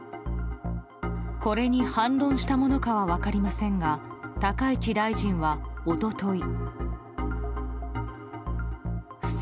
これに反論したものかは分かりませんが高市大臣は一昨日。